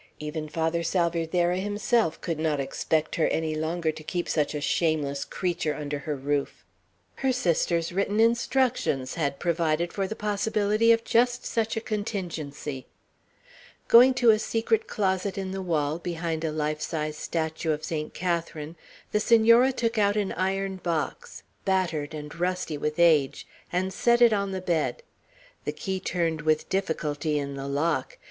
Even Father Salvierderra himself could not expect her any longer to keep such a shameless creature under her roof. Her sister's written instructions had provided for the possibility of just such a contingency. Going to a secret closet in the wall, behind a life size statue of Saint Catharine, the Senora took out an iron box, battered and rusty with age, and set it on the bed. The key turned with difficulty in the lock.